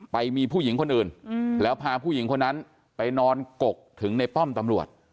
ไปมีผู้หญิงคนอื่นแล้วพาผู้หญิงคนนั้นไปนอนกกถึงในป้อมตำรวจ